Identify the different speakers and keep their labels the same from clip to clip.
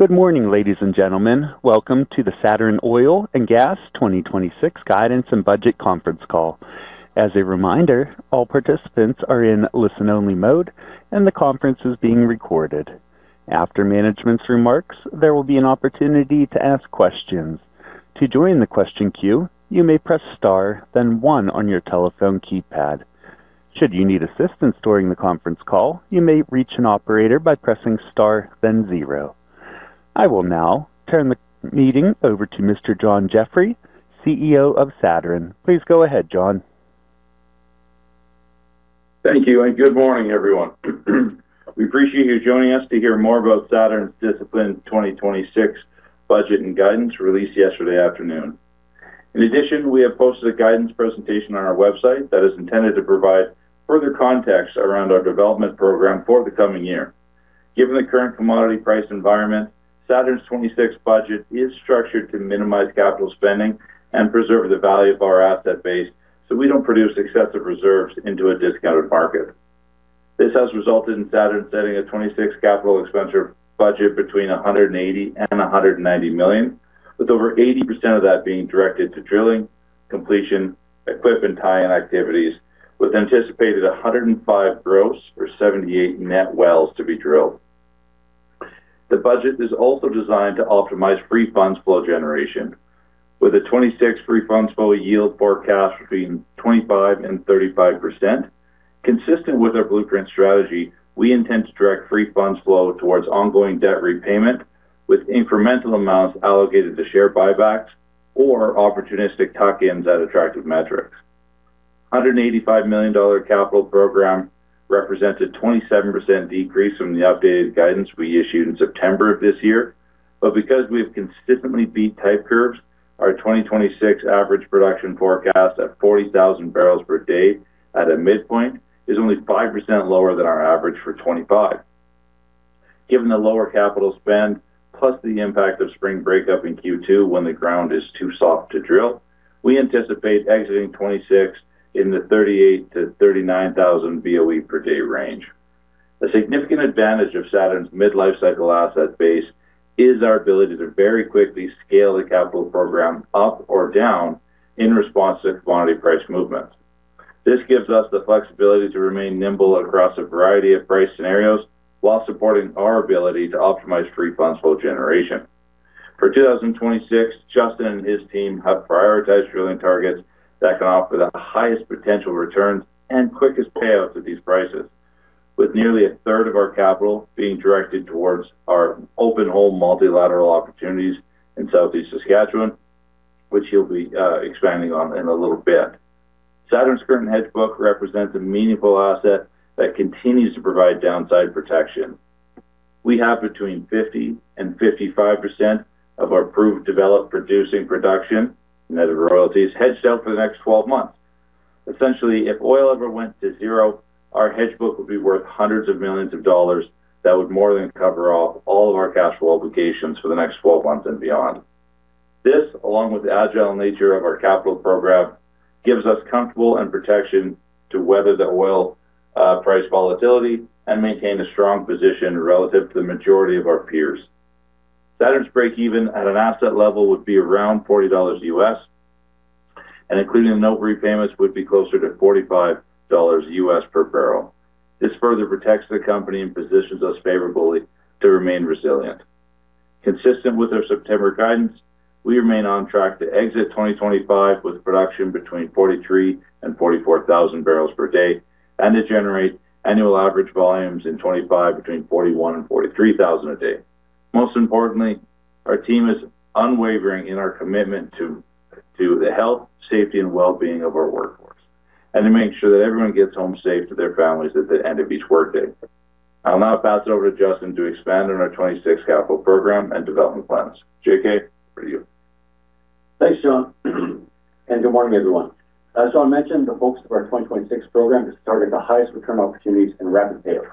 Speaker 1: Good morning, ladies and gentlemen. Welcome to the Saturn Oil & Gas 2026 Guidance and Budget Conference Call. As a reminder, all participants are in listen-only mode, and the conference is being recorded. After management's remarks, there will be an opportunity to ask questions. To join the question queue, you may press star, then one on your telephone keypad. Should you need assistance during the conference call, you may reach an operator by pressing star, then zero. I will now turn the meeting over to Mr. John Jeffrey, CEO of Saturn. Please go ahead, John.
Speaker 2: Thank you, and good morning, everyone. We appreciate you joining us to hear more about Saturn's Disciplined 2026 Budget and Guidance released yesterday afternoon. In addition, we have posted a guidance presentation on our website that is intended to provide further context around our development program for the coming year. Given the current commodity price environment, Saturn's 2026 budget is structured to minimize capital spending and preserve the value of our asset base so we don't produce excessive reserves into a discounted market. This has resulted in Saturn setting a 2026 capital expenditure budget between 180 and 190 million, with over 80% of that being directed to drilling, completion, equipping, and tie-in activities, with anticipated 105 gross or 78 net wells to be drilled. The budget is also designed to optimize free funds flow generation, with a 2026 free funds flow yield forecast between 25% and 35%. Consistent with our blueprint strategy, we intend to direct free funds flow towards ongoing debt repayment, with incremental amounts allocated to share buybacks or opportunistic tuck-ins at attractive metrics. The 185 million dollar capital program represents a 27% decrease from the updated guidance we issued in September of this year, but because we have consistently beat type curves, our 2026 average production forecast at 40,000 barrels per day at a midpoint is only 5% lower than our average for 2025. Given the lower capital spend, plus the impact of spring breakup in Q2 when the ground is too soft to drill, we anticipate exiting 2026 in the 38,000-39,000 BOE per day range. A significant advantage of Saturn's mid-life cycle asset base is our ability to very quickly scale the capital program up or down in response to commodity price movements. This gives us the flexibility to remain nimble across a variety of price scenarios while supporting our ability to optimize free funds flow generation. For 2026, Justin and his team have prioritized drilling targets that can offer the highest potential returns and quickest payouts at these prices, with nearly a third of our capital being directed towards our open-hole multilateral opportunities in Southeast Saskatchewan, which he'll be expanding on in a little bit. Saturn's current hedge book represents a meaningful asset that continues to provide downside protection. We have between 50%-55% of our proved developed producing production and other royalties hedged out for the next 12 months. Essentially, if oil ever went to zero, our hedge book would be worth hundreds of millions of dollars that would more than cover off all of our cash flow obligations for the next 12 months and beyond. This, along with the agile nature of our capital program, gives us comfort and protection to weather the oil price volatility and maintain a strong position relative to the majority of our peers. Saturn's break-even at an asset level would be around $40, and including the note repayments would be closer to $45 per barrel. This further protects the company and positions us favorably to remain resilient. Consistent with our September guidance, we remain on track to exit 2025 with production between 43,000 and 44,000 barrels per day and to generate annual average volumes in 2025 between 41,000 and 43,000 a day. Most importantly, our team is unwavering in our commitment to the health, safety, and well-being of our workforce, and to make sure that everyone gets home safe to their families at the end of each workday. I'll now pass it over to Justin to expand on our 2026 capital program and development plans. JK, over to you.
Speaker 3: Thanks, John, and good morning, everyone. As John mentioned, the focus of our 2026 program is targeting the highest return opportunities and rapid payout,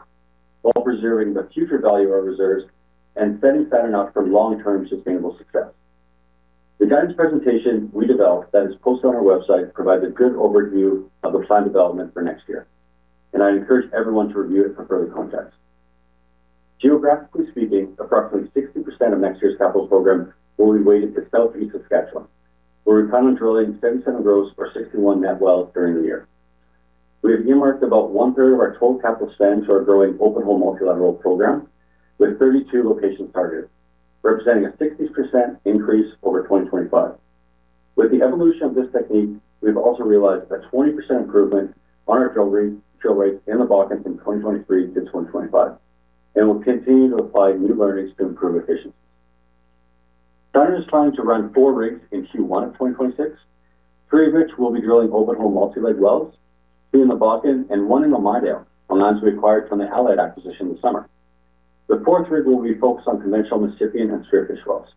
Speaker 3: while preserving the future value of our reserves and setting Saturn up for long-term sustainable success. The guidance presentation we developed that is posted on our website provides a good overview of the planned development for next year, and I encourage everyone to review it for further context. Geographically speaking, approximately 60% of next year's capital program will be weighted to Southeast Saskatchewan, where we plan on drilling 77 gross or 61 net wells during the year. We have earmarked about one-third of our total capital spend for our growing open-hole multilateral program, with 32 locations targeted, representing a 60% increase over 2025. With the evolution of this technique, we've also realized a 20% improvement on our drill rates in the Bakken from 2023-2025, and we'll continue to apply new learnings to improve efficiencies. Saturn is planning to run four rigs in Q1 of 2026, three of which will be drilling open-hole multi-leg wells, three in the Bakken, and one in Midale on lands we acquired from the Alida acquisition this summer. The fourth rig will be focused on conventional Mississippian and Spearfish wells.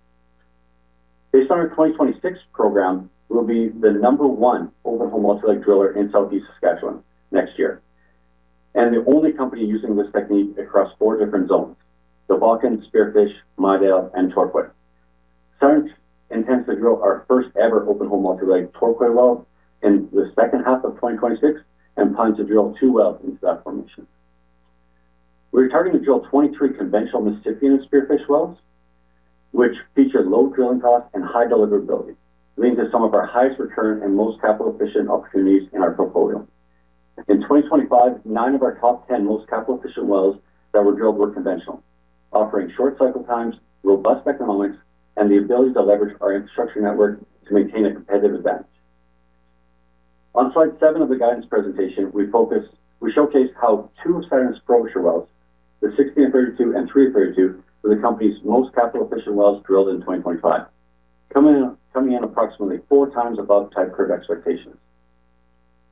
Speaker 3: Based on our 2026 program, we'll be the number one open-hole multi-leg driller in Southeast Saskatchewan next year, and the only company using this technique across four different zones: the Bakken, Spearfish, Midale, and Torquay. Saturn intends to drill our first-ever open-hole multi-leg Torquay well in the second half of 2026 and plan to drill two wells into that formation. We're targeting to drill 23 conventional Mississippian and Spearfish wells, which feature low drilling costs and high deliverability, leading to some of our highest return and most capital-efficient opportunities in our portfolio. In 2025, nine of our top 10 most capital-efficient wells that were drilled were conventional, offering short cycle times, robust economics, and the ability to leverage our infrastructure network to maintain a competitive advantage. On slide seven of the guidance presentation, we showcased how two of Saturn's Frobisher wells, the 6-32 and 3-32, were the company's most capital-efficient wells drilled in 2025, coming in approximately four times above type curve expectations.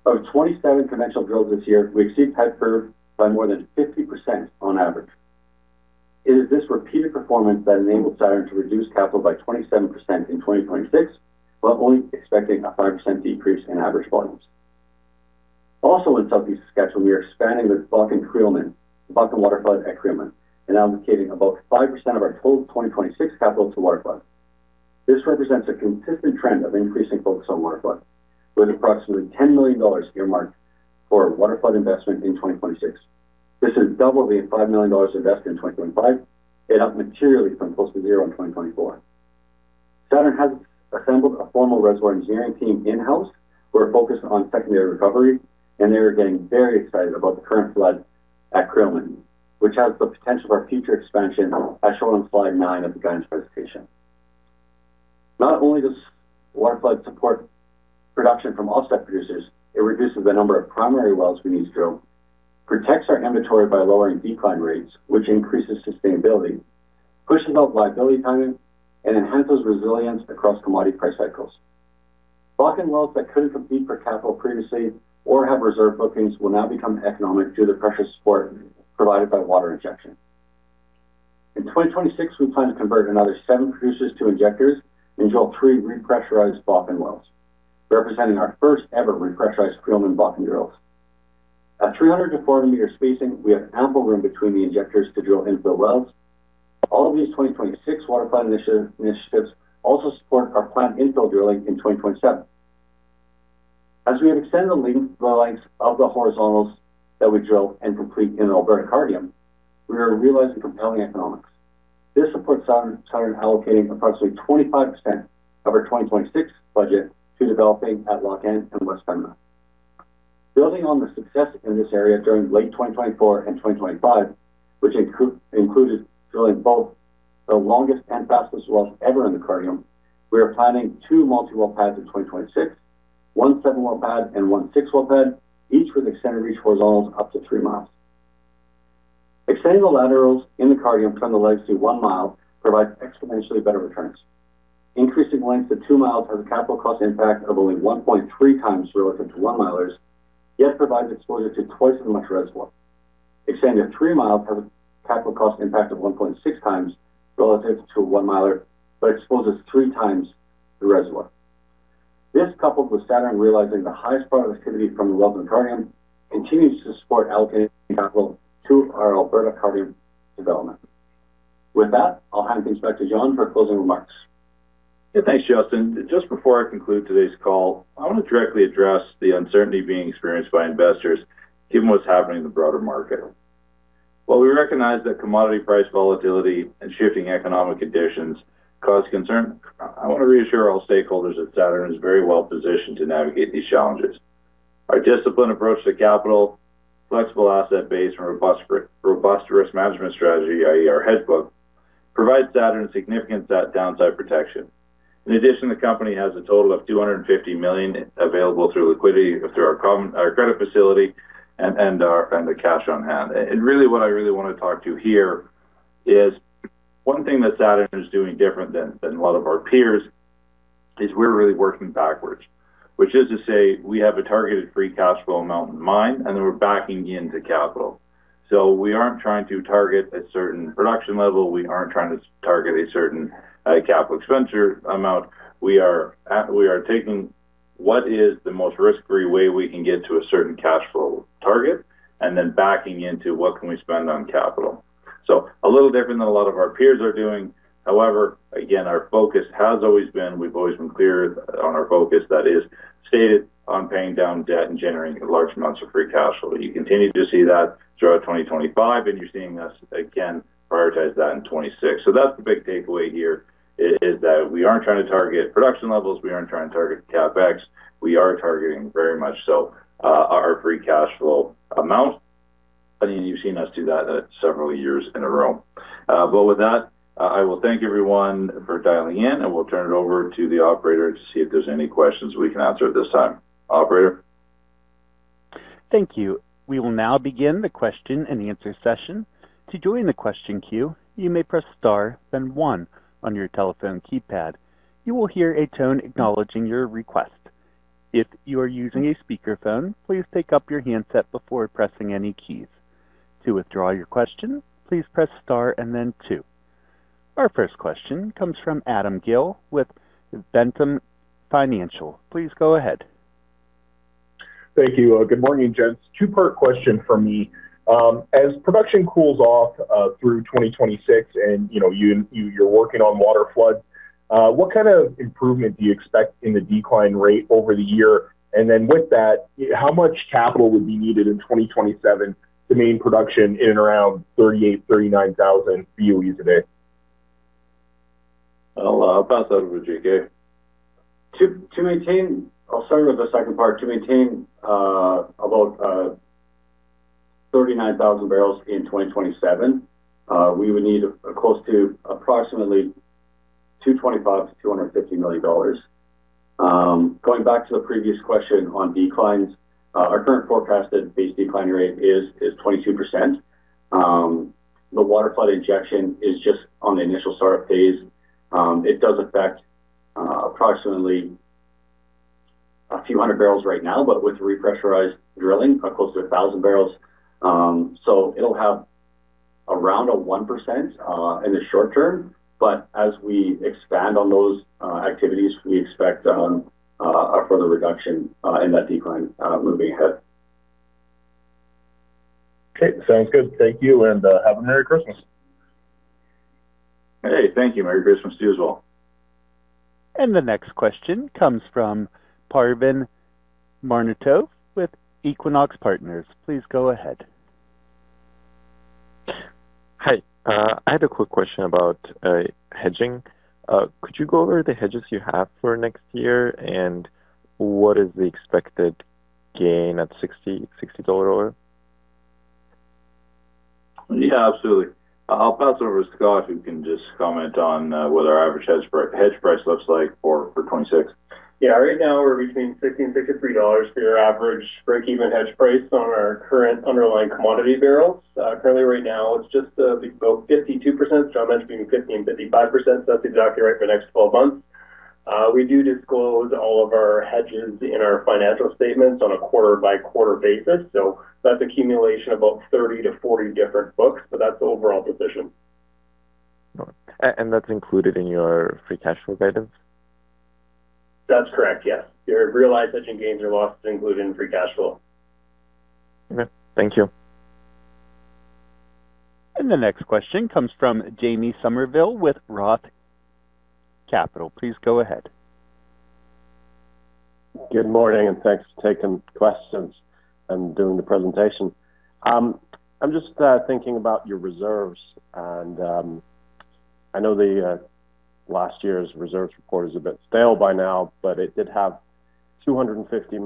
Speaker 3: Of 27 conventional drills this year, we exceed type curve by more than 50% on average. It is this repeated performance that enabled Saturn to reduce capital by 27% in 2026, while only expecting a 5% decrease in average volumes. Also, in Southeast Saskatchewan, we are expanding with Bakken Creelman, Bakken Waterflood and Creelman, and allocating about 5% of our total 2026 capital to waterflood. This represents a consistent trend of increasing focus on waterflood, with approximately $10 million earmarked for waterflood investment in 2026. This is double the $5 million invested in 2025, ramped up materially from close to zero in 2024. Saturn has assembled a formal reservoir engineering team in-house. We're focused on secondary recovery, and they are getting very excited about the waterflood at Creelman, which has the potential for our future expansion, as shown on slide nine of the guidance presentation. Not only does waterflood support production from offset producers, it reduces the number of primary wells we need to drill, protects our inventory by lowering decline rates, which increases sustainability, pushes out liability timing, and enhances resilience across commodity price cycles. Bakken wells that couldn't compete for capital previously or have reserve bookings will now become economic due to the pressure support provided by water injection. In 2026, we plan to convert another seven producers to injectors and drill three repressurized Bakken wells, representing our first-ever repressurized Creelman Bakken drills. At 300-400-meter spacing, we have ample room between the injectors to drill infill wells. All of these 2026 waterflood initiatives also support our planned infill drilling in 2027. As we have extended the length of the horizontals that we drill and complete in Alberta Cardium, we are realizing compelling economics. This supports Saturn allocating approximately 25% of our 2026 budget to developing at Lochend and West Ferrier. Building on the success in this area during late 2024 and 2025, which included drilling both the longest and fastest wells ever in the Cardium, we are planning two multi-well pads in 2026, one seven-well pad and one six-well pad, each with extended reach horizontals up to three miles. Extending the laterals in the Cardium from the legacy one mile provides exponentially better returns. Increasing length to two miles has a capital cost impact of only 1.3 times relative to one milers, yet provides exposure to twice as much reservoir. Extending to three miles has a capital cost impact of 1.6 times relative to one miler, but exposes three times the reservoir. This, coupled with Saturn realizing the highest productivity from the wells in the Cardium, continues to support allocating capital to our Alberta Cardium development. With that, I'll hand things back to John for closing remarks.
Speaker 2: Yeah, thanks, Justin. Just before I conclude today's call, I want to directly address the uncertainty being experienced by investors, given what's happening in the broader market. While we recognize that commodity price volatility and shifting economic conditions cause concern, I want to reassure all stakeholders that Saturn is very well positioned to navigate these challenges. Our disciplined approach to capital, flexible asset base, and robust risk management strategy, i.e., our hedge book, provides Saturn significant downside protection. In addition, the company has a total of 250 million available liquidity through our credit facility and the cash on hand. And really, what I really want to talk to you here is one thing that Saturn is doing different than a lot of our peers is we're really working backwards, which is to say we have a targeted free cash flow amount in mind, and then we're backing into capital. So we aren't trying to target a certain production level. We aren't trying to target a certain capital expenditure amount. We are taking what is the most risk-free way we can get to a certain cash flow target and then backing into what can we spend on capital. So a little different than a lot of our peers are doing. However, again, our focus has always been we've always been clear on our focus that is stated on paying down debt and generating large amounts of free cash flow. You continue to see that throughout 2025, and you're seeing us again prioritize that in 2026. So that's the big takeaway here, is that we aren't trying to target production levels. We aren't trying to target CapEx. We are targeting very much so our free cash flow amount, and you've seen us do that several years in a row. But with that, I will thank everyone for dialing in, and we'll turn it over to the operator to see if there's any questions we can answer at this time. Operator.
Speaker 1: Thank you. We will now begin the question and answer session. To join the question queue, you may press star, then one on your telephone keypad. You will hear a tone acknowledging your request. If you are using a speakerphone, please take up your handset before pressing any keys. To withdraw your question, please press star and then two. Our first question comes from Adam Gill with Ventum Financial. Please go ahead.
Speaker 4: Thank you. Good morning, gents. Two-part question from me. As production cools off through 2026 and you're working on water floods, what kind of improvement do you expect in the decline rate over the year? And then with that, how much capital would be needed in 2027 to maintain production in and around 38,000-39,000 BOEs a day?
Speaker 2: I'll pass that over to JK.
Speaker 3: To maintain, I'll start with the second part. To maintain about 39,000 barrels in 2027, we would need close to approximately $225-$250 million. Going back to the previous question on declines, our current forecasted base decline rate is 22%. The waterflood injection is just on the initial startup phase. It does affect approximately a few hundred barrels right now, but with the repressurized drilling, close to 1,000 barrels. So it'll have around a 1% in the short term. But as we expand on those activities, we expect a further reduction in that decline moving ahead.
Speaker 4: Okay. Sounds good. Thank you, and have a Merry Christmas.
Speaker 3: Hey, thank you. Merry Christmas to you as well.
Speaker 1: The next question comes from Parvin Mamedov with Equinox Partners. Please go ahead.
Speaker 5: Hi. I had a quick question about hedging. Could you go over the hedges you have for next year, and what is the expected gain at $60 over?
Speaker 2: Yeah, absolutely. I'll pass it over to Scott, who can just comment on what our average hedge price looks like for 2026.
Speaker 3: Yeah. Right now, we're between $60-$63 for your average break-even hedge price on our current underlying commodity barrels. Currently, right now, it's just about 52%. John mentioned between 50%-55%. So that's exactly right for the next 12 months. We do disclose all of our hedges in our financial statements on a quarter-by-quarter basis. So that's accumulation of about 30-40 different books, but that's the overall position.
Speaker 5: That's included in your free cash flow guidance?
Speaker 3: That's correct. Yes. Your realized hedging gains are also included in free cash flow.
Speaker 5: Okay. Thank you.
Speaker 1: The next question comes from Jamie Somerville with Roth Capital. Please go ahead.
Speaker 6: Good morning, and thanks for taking questions and doing the presentation. I'm just thinking about your reserves, and I know last year's reserves report is a bit stale by now, but it did have 250-350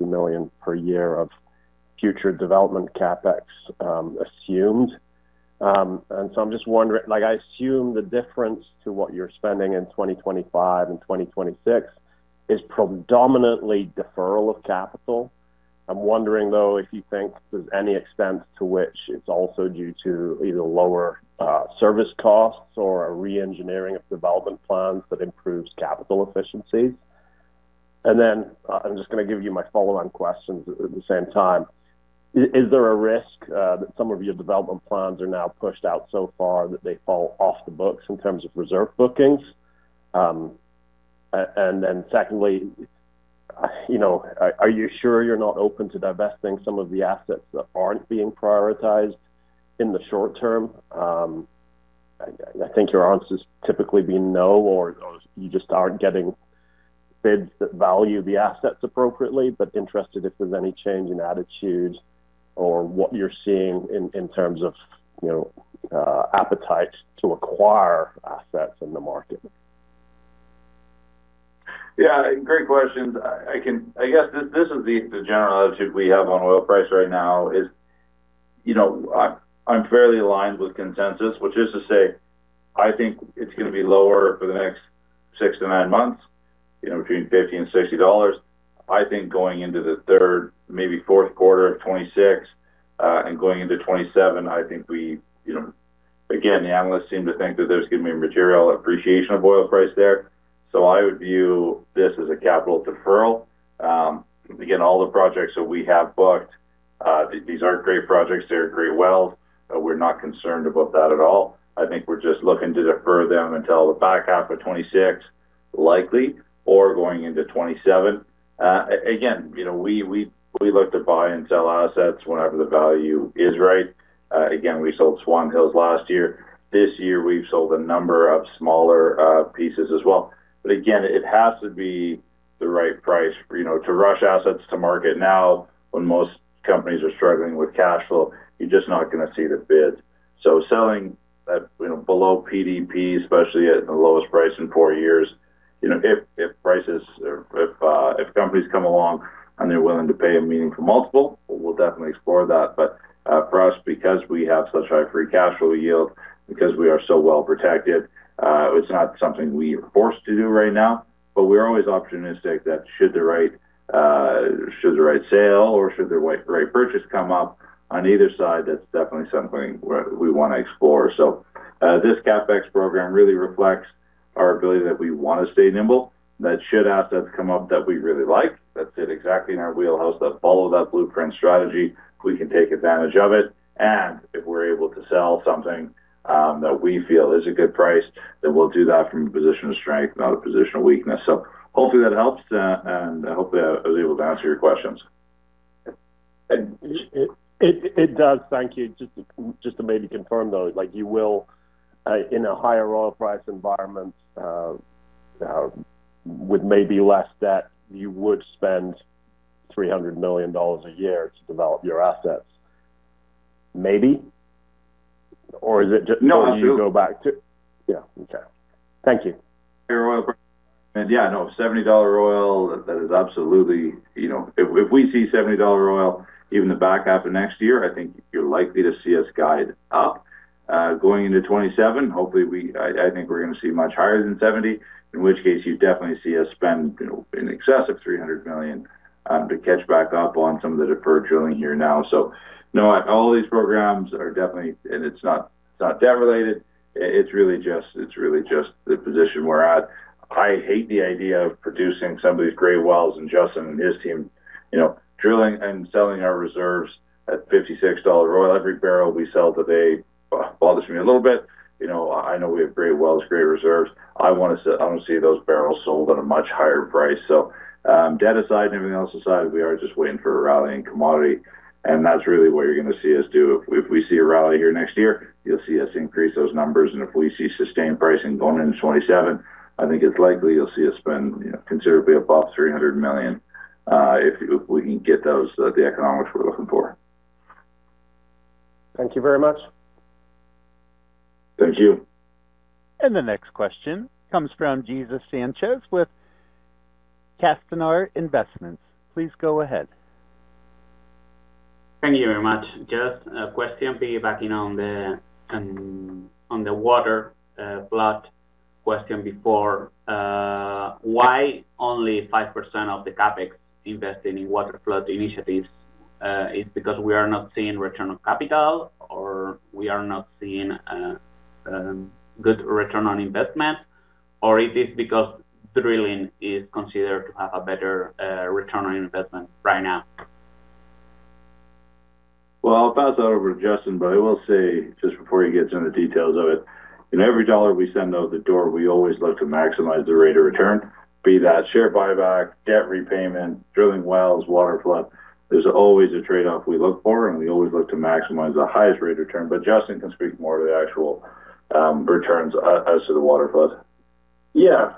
Speaker 6: million per year of future development CapEx assumed, and so I'm just wondering, I assume the difference to what you're spending in 2025 and 2026 is predominantly deferral of capital. I'm wondering, though, if you think there's any extent to which it's also due to either lower service costs or a re-engineering of development plans that improves capital efficiencies, and then I'm just going to give you my follow-on questions at the same time. Is there a risk that some of your development plans are now pushed out so far that they fall off the books in terms of reserve bookings? And then secondly, are you sure you're not open to divesting some of the assets that aren't being prioritized in the short term? I think your answer is typically being no, or you just aren't getting bids that value the assets appropriately, but interested if there's any change in attitude or what you're seeing in terms of appetite to acquire assets in the market.
Speaker 2: Yeah. Great questions. I guess this is the general attitude we have on oil price right now. I'm fairly aligned with consensus, which is to say I think it's going to be lower for the next six to nine months, between $50 and $60. I think going into the third, maybe fourth quarter of 2026 and going into 2027, I think we, again, the analysts seem to think that there's going to be material appreciation of oil price there. So I would view this as a capital deferral. Again, all the projects that we have booked, these aren't great projects. They're great wells. We're not concerned about that at all. I think we're just looking to defer them until the back half of 2026, likely, or going into 2027. Again, we look to buy and sell assets whenever the value is right. Again, we sold Swan Hills last year. This year, we've sold a number of smaller pieces as well. But again, it has to be the right price to rush assets to market now when most companies are struggling with cash flow. You're just not going to see the bids. So selling below PDP, especially at the lowest price in four years, if companies come along and they're willing to pay a meaningful multiple, we'll definitely explore that. But for us, because we have such high free cash flow yield, because we are so well protected, it's not something we are forced to do right now. But we're always optimistic that should the right sale or should the right purchase come up on either side, that's definitely something we want to explore. So this CapEx program really reflects our ability that we want to stay nimble. That should assets come up that we really like, that sit exactly in our wheelhouse, that follow that blueprint strategy, we can take advantage of it. And if we're able to sell something that we feel is a good price, then we'll do that from a position of strength, not a position of weakness. So hopefully that helps, and I hope I was able to answer your questions.
Speaker 6: It does. Thank you. Just to maybe confirm, though, you will, in a higher oil price environment with maybe less debt, you would spend $300 million a year to develop your assets. Maybe? Or is it just as you go back to?
Speaker 2: No.
Speaker 6: Yeah. Okay. Thank you.
Speaker 2: Oil prices. Yeah. No, $70 oil, that is absolutely if we see $70 oil even the back half of next year. I think you're likely to see us guide up going into 2027. Hopefully, I think we're going to see much higher than $70, in which case you definitely see us spend an excessive $300 million to catch back up on some of the deferred drilling here now. So no, all these programs are definitely, and it's not debt related. It's really just the position we're at. I hate the idea of producing some of these great wells and Justin and his team drilling and selling our reserves at $56 oil. Every barrel we sell today bothers me a little bit. I know we have great wells, great reserves. I want to see those barrels sold at a much higher price. So debt aside and everything else aside, we are just waiting for a rally in commodity. And that's really what you're going to see us do. If we see a rally here next year, you'll see us increase those numbers. And if we see sustained pricing going into 2027, I think it's likely you'll see us spend considerably above 300 million if we can get those at the economics we're looking for.
Speaker 6: Thank you very much.
Speaker 2: Thank you.
Speaker 1: The next question comes from Jesús Sánchez with Castañar Investments. Please go ahead.
Speaker 7: Thank you very much, gents. Question backing on the waterflood question before. Why only 5% of the CapEx investing in waterflood initiatives? Is it because we are not seeing return on capital, or we are not seeing good return on investment, or is it because drilling is considered to have a better return on investment right now?
Speaker 2: I'll pass that over to Justin, but I will say just before he gets into the details of it, every dollar we send out the door, we always look to maximize the rate of return, be that share buyback, debt repayment, drilling wells, waterflood. There's always a trade-off we look for, and we always look to maximize the highest rate of return. But Justin can speak more to the actual returns as to the waterflood.
Speaker 3: Yeah.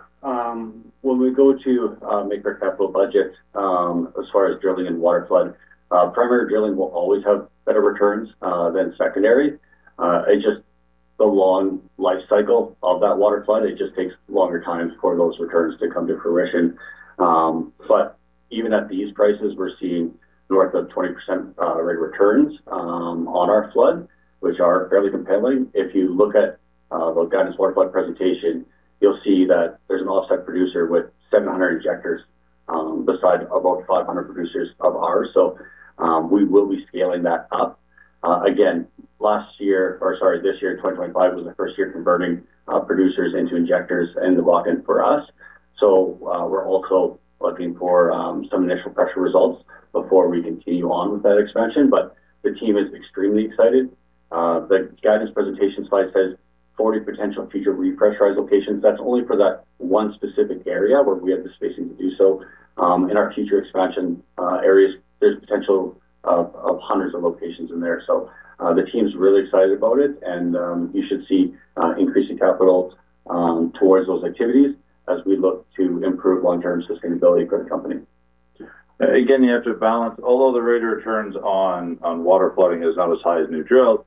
Speaker 3: When we go to make our capital budget, as far as drilling and waterflood, primary drilling will always have better returns than secondary. It just the long life cycle of that waterflood, it just takes longer time for those returns to come to fruition. But even at these prices, we're seeing north of 20% rate of returns on our flood, which are fairly compelling. If you look at the guidance waterflood presentation, you'll see that there's an offset producer with 700 injectors besides about 500 producers of ours. So we will be scaling that up. Again, last year, or sorry, this year, 2025, was the first year converting producers into injectors and the walk-in for us. So we're also looking for some initial pressure results before we continue on with that expansion. But the team is extremely excited. The guidance presentation slide says 40 potential future repressurized locations. That's only for that one specific area where we have the spacing to do so. In our future expansion areas, there's potential of hundreds of locations in there. So the team's really excited about it, and you should see increasing capital towards those activities as we look to improve long-term sustainability for the company.
Speaker 2: Again, you have to balance. Although the rate of returns on water flooding is not as high as new drills,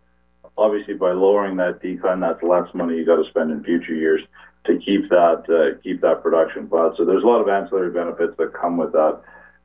Speaker 2: obviously, by lowering that decline, that's less money you got to spend in future years to keep that production flat. So there's a lot of ancillary benefits that come with that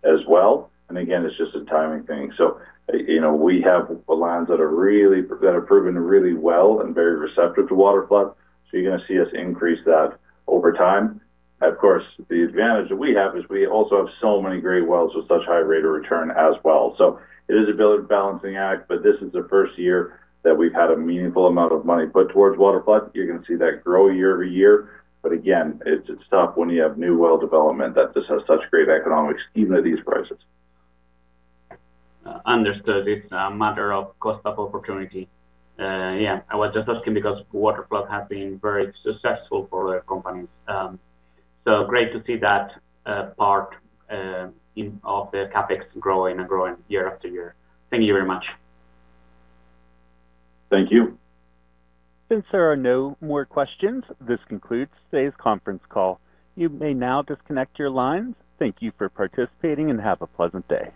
Speaker 2: as well. And again, it's just a timing thing. So we have lands that are proven really well and very receptive to water flood. So you're going to see us increase that over time. Of course, the advantage that we have is we also have so many great wells with such high rate of return as well. So it is a balancing act, but this is the first year that we've had a meaningful amount of money put towards water flood. You're going to see that grow year over year. But again, it's tough when you have new well development that just has such great economics, even at these prices.
Speaker 7: Understood. It's a matter of cost of opportunity. Yeah. I was just asking because waterflood has been very successful for the companies. So great to see that part of the CapEx growing and growing year after year. Thank you very much.
Speaker 2: Thank you.
Speaker 1: Since there are no more questions, this concludes today's conference call. You may now disconnect your lines. Thank you for participating and have a pleasant day.